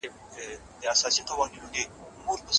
موږ بايد تل هڅه وکړو.